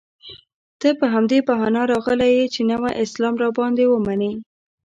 ته په همدې بهانه راغلی یې چې نوی اسلام را باندې ومنې.